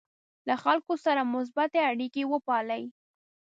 له خلکو سره مثبتې اړیکې وپالئ.